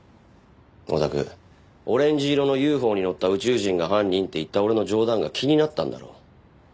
お宅オレンジ色のＵＦＯに乗った宇宙人が犯人って言った俺の冗談が気になったんだろ。